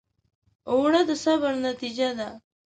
اوړه د صبر نتیجه ده